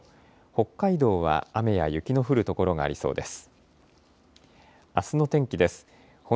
北海道は雨や雪の降る所がありそうです。